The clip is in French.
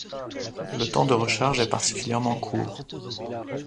Le temps de recharge est particulièrement court.